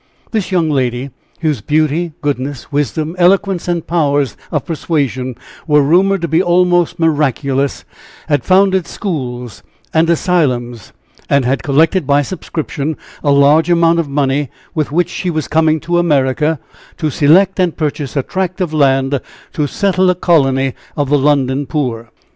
This young lady, whose beauty, goodness, wisdom, eloquence and powers of persuasion were rumored to be almost miraculous, had founded schools and asylums, and had collected by subscription a large amount of money, with which she was coming to America, to select and purchase a tract of land to settle a colony of the London poor.